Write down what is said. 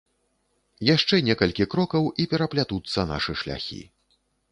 Яшчэ некалькі крокаў, і пераплятуцца нашы шляхі.